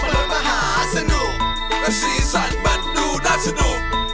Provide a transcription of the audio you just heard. มันรถมหาสนุกมันสี่สันมันดูน่าสนุก